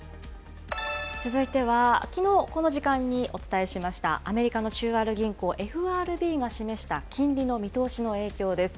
続いては、きのう、この時間にお伝えしました、アメリカの中央銀行・ＦＲＢが示した金利の見通しの影響です。